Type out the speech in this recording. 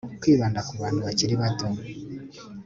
kwibanda ku bantu bakiri bato